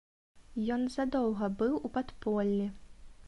Ён задоўга быў у падполлі.